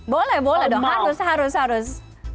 boleh boleh dong harus harus